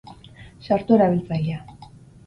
Sartu erabiltzailea.